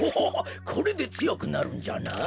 これでつよくなるんじゃな。